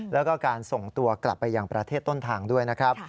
แล้วก็การส่งตัวกลับไปยังประเทศต้นทางด้วยนะครับ